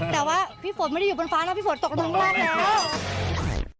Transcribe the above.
แต่ว่าพี่ฝนไม่ได้อยู่บนฟ้าแล้วพี่ฝนตกลงมาทั้งบ้านแล้ว